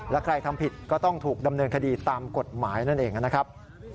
และใครทำผิดก็ต้องถูกดำเนินคดีตามกฎหมายนั่นเองนะครับ